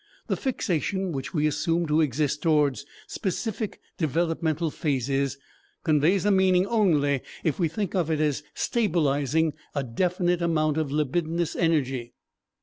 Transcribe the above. The fixation which we assume to exist towards specific developmental phases, conveys a meaning only if we think of it as stabilizing a definite amount of libidinous energy.